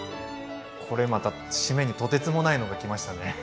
これまた締めにとてつもないのが来ましたね！